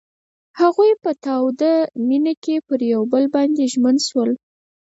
هغوی په تاوده مینه کې پر بل باندې ژمن شول.